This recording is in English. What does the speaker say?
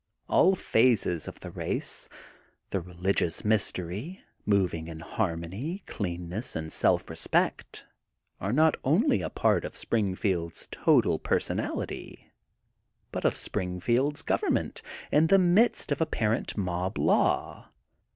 All phases of the race — the religious mystery, moving in harmony, cleanness, and self respect are not only a part of Springfield's total personality, but of Springfield 's government, in the midst of ap parent mob law.